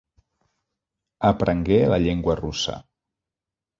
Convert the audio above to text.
Aprengué la llengua russa.